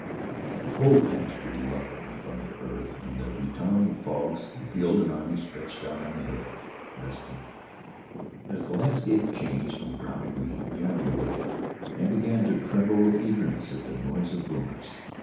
The cold passed reluctantly from the earth, and the retiring fogs revealed an army stretched out on the hills, resting. As the landscape changed from brown to green, the army awakened, and began to tremble with eagerness at the noise of rumors.